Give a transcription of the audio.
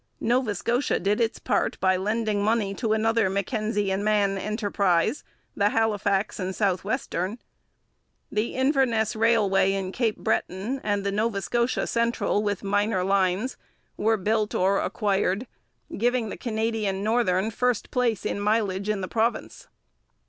Nova Scotia did its part by lending money to another Mackenzie and Mann enterprise, the Halifax and South western. The Inverness Railway in Cape Breton and the Nova Scotia Central with minor lines were built or acquired, giving the Canadian Northern first place in mileage in the province.